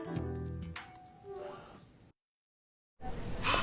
あ！